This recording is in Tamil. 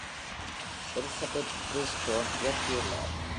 Elizabeth Freestone இயக்கியுள்ளார்.